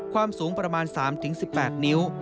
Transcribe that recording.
ความสูงประมาณ๓๑๘นิ้ว